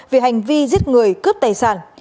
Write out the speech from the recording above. về hành vi giết người cướp tài sản